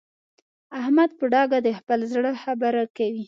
احمد په ډاګه د خپل زړه خبره کوي.